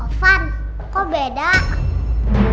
ovan kok beda foto anti jessy sama anli di rumah